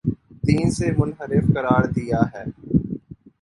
دین سے منحرف قرار دیا ہے